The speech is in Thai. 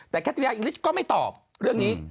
แต่แคทริยาอิงลิสก็ไม่ตอบเรื่องนี้